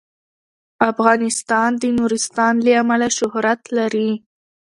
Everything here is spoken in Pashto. افغانستان د نورستان له امله شهرت لري.